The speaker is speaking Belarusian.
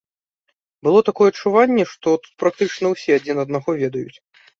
Было такое адчуванне, што тут практычна ўсе адзін аднаго ведаюць.